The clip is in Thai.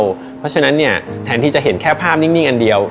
เพราะฉะนั้นเนี่ยแทนที่จะเห็นแค่ภาพนิ่งอันเดียว